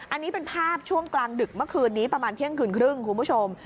อันนี้เป็นภาพช่วงกลางดึกเมื่อคืนนี้ประมาณเที่ยงคืนครึ่งคุณผู้ชม